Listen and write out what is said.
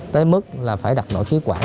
tới mức là phải đặt nội chí quản